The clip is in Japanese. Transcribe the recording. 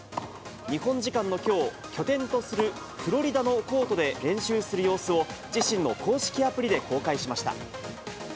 日本時間のきょう、拠点とするフロリダのコートで練習する様子を、自身の公式アプリで公開しました。